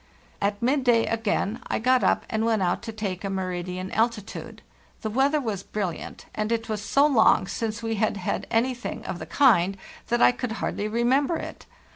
" At midday, again, I got up and went out to take a meridian altitude. The weather was brilliant, and it was so long since we had had anything of the kind that I could hardly remember it.